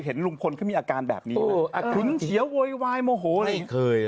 พลิกต๊อกเต็มเสนอหมดเลยพลิกต๊อกเต็มเสนอหมดเลย